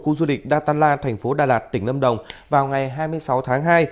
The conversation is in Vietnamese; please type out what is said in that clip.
khu du lịch datala thành phố đà lạt tỉnh lâm đồng vào ngày hai mươi sáu tháng hai